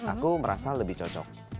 aku merasa lebih cocok